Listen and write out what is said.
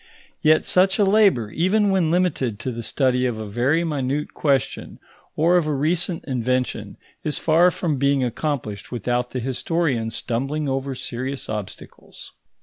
Yet such a labour, even when limited to the study of a very minute question or of a recent invention, is far from being accomplished without the historian stumbling over serious obstacles.